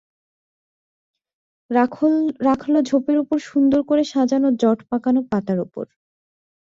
রাখল ঝোপের ওপর সুন্দর করে সাজানো জট পাকানো পাতার ওপর।